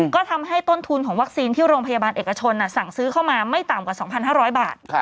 ก็ทำให้ต้นทุนของวัคซีนที่โรงพยาบาลเอกชนสั่งซื้อเข้ามาไม่ต่ำกว่า๒๕๐๐บาท